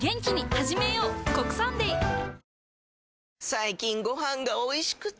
最近ご飯がおいしくて！